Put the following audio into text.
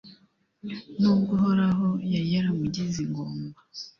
n'ubwo uhoraho yari yaramugize ingumba